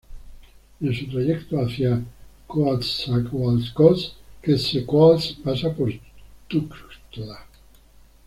En su trayecto hacia Coatzacoalcos, Quetzalcoatl pasa por Tuxtla.